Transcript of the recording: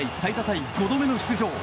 タイ５度目の出場。